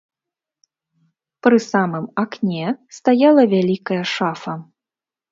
Пры самым акне стаяла вялікая шафа.